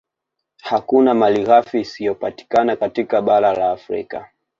Hakuna malighafi isiyopatikana katika bara la Afrika